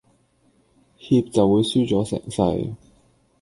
怯就會輸咗成世